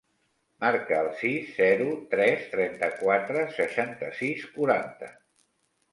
Marca el sis, zero, tres, trenta-quatre, seixanta-sis, quaranta.